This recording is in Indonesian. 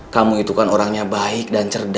kamu itu kan orangnya baik dan cerdas